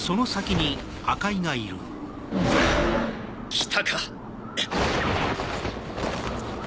来たか。